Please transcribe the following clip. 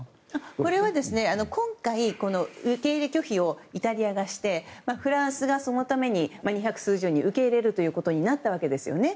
これは今回受け入れ拒否をイタリアがしてフランスがそのために二百数十人受け入れることになったわけですね。